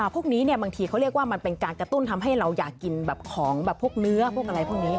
พวกนี้บางทีเขาเรียกว่ามันเป็นการกระตุ้นทำให้เราอยากกินแบบของแบบพวกเนื้อพวกอะไรพวกนี้